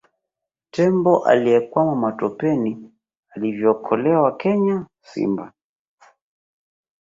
Tembo aliyekwama matopeni alivyookolewa Kenya Simba